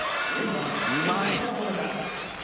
うまい！